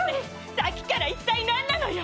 さっきからいったい何なのよ。